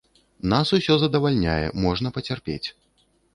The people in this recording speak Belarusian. Нас усё задавальняе, можна пацярпець.